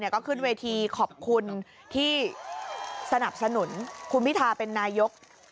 ก็ขึ้นเวทีขอบคุณที่สนับสนุนคุณพิทาเป็นนายก